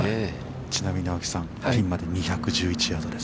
ちなみに青木さん、ピンまで２１１ヤードです。